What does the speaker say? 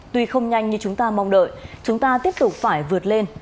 tuy không nhanh như chúng ta mong đợi chúng ta tiếp tục phải vượt lên